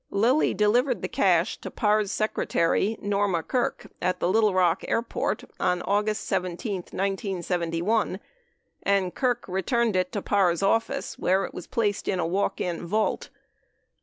Lilly delivered the cash to Parr's secretary, Norma Kirk, at the Little Rock Airport on August 17, 1971, and Kirk returned it to Parr's office where it was placed in a walk in vault.